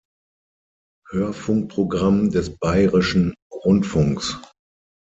Hörfunkprogramm des Bayerischen Rundfunks.